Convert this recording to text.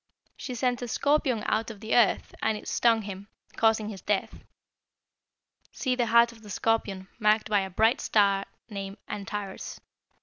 She sent a scorpion out of the earth, and it stung him, causing his death. See the heart of the scorpion, marked by a bright red star named Antares.